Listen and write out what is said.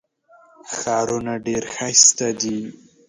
ښارونه ډېر ښایسته دي.